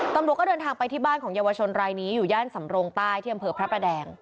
ตำรวจก็เดินทางไปที่บ้านของเยาวชนรายนี้อยู่ย่านสำรงใต้ที่อำเภอพระประแดง